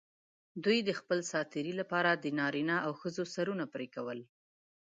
دوی د خپل سات تېري لپاره د نارینه او ښځو سرونه پرې کول.